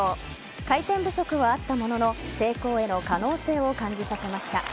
回転不足はあったものの成功への可能性を感じさせました。